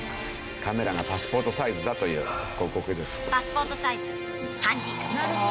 カメラがパスポートサイズだという広告です。